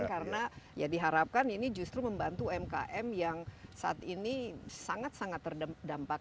karena ya diharapkan ini justru membantu umkm yang saat ini sangat sangat terdampak